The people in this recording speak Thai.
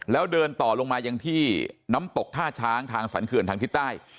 แล้วเดินต่อลงมายังที่น้ำตกท่าช้างทางสรรเขื่อนทางทิศใต้